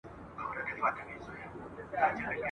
موږ به خپل دردونه چیري چاته ژاړو !.